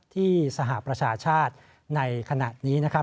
ที่สหประชาชาติในขณะนี้นะครับ